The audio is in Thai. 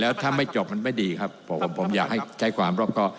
แล้วถ้าไม่จบมันไม่ดีครับผมผมอยากให้ใช้ความรอบครอบ